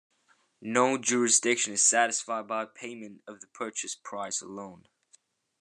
No jurisdiction is satisfied by payment of the purchase price alone.